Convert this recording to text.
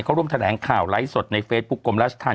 เขาร่วมแถลงข่าวไล่สดในเฟซบุ๊กกลมราชทัน